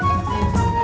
masih ada yang nangis